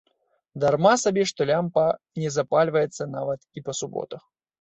Дарма сабе што лямпа не запальваецца нават і па суботах.